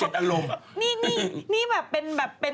นี่นี่นี่แบบเป็น